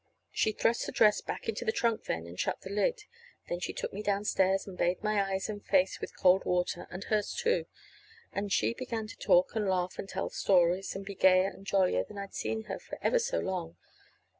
She thrust the dress back into the trunk then, and shut the lid. Then she took me downstairs and bathed my eyes and face with cold water, and hers, too. And she began to talk and laugh and tell stories, and be gayer and jollier than I'd seen her for ever so long.